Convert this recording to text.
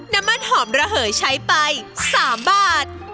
น้ำมันหอมระเหยใช้ไป๓บาท